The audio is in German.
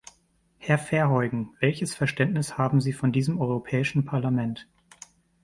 Herr Verheugen, welches Verständnis haben Sie von diesem Europäischen Parlament?